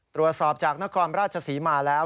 ตรวจสอบจากนครราชศรีมาแล้ว